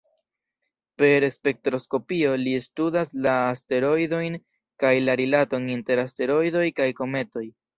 Per spektroskopio, li studas la asteroidojn, kaj la rilaton inter asteroidoj kaj kometoj.